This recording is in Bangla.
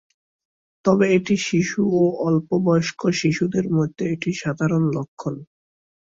তবে এটি শিশু এবং অল্প বয়স্ক শিশুদের মধ্যে এটি সাধারণ লক্ষণ।